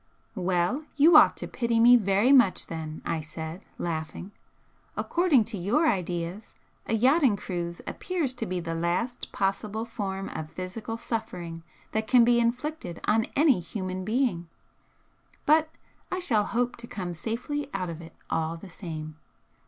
"Well, you ought to pity me very much, then!" I said, laughing "According to your ideas, a yachting cruise appears to be the last possible form of physical suffering that can be inflicted on any human being. But I shall hope to come safely out of it all the same!"